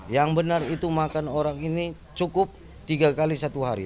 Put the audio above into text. yang benar itu makan orang ini cukup tiga kali satu hari